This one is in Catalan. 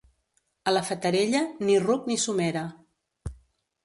A la Fatarella, ni ruc ni somera.